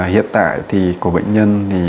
hiện tại thì của bệnh nhân